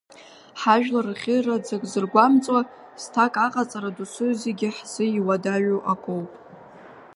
Ҳажәлар рӷьыраӡак зыргәамҵуа, зҭак аҟаҵара досу зегьы ҳзы иуадаҩу акоуп.